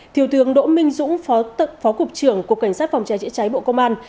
thiều tướng đỗ minh dũng phó cục trưởng của cảnh sát phòng cháy chữa cháy bộ công an